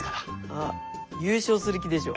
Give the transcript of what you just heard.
あっ優勝する気でしょ。